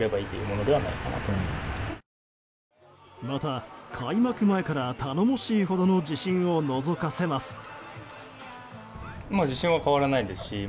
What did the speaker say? また、開幕前から頼もしいほどの自信をのぞかせます。